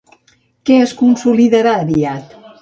Què es consolidarà aviat?